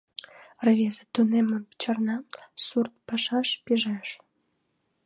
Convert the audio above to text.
Рвезе тунеммым чарна, сурт пашаш пижеш.